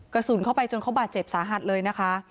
กระสุนเข้าไปจนเขาบาดเจ็บสาหัสเลยนะคะ